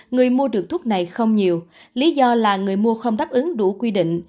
người mua được thuốc này không nhiều lý do là người mua không đáp ứng đủ quy định